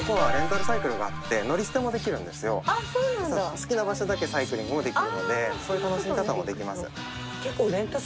好き場所だけサイクリングもできるのでそういう楽しみ方もできます。